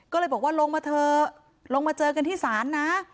ก็เลยบอกว่าลงมาเถอะลงมาเจอกันที่ศาลนะ